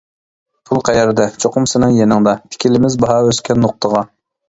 پۇل قەيەردە؟ چوقۇم سېنىڭ يېنىڭدا، تىكىلىمىز باھا ئۆسكەن نۇقتىغا.